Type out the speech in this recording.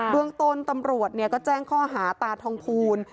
เมืองต้นตำรวจก็แจ้งข้อหาตาทองภูล